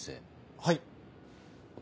はい。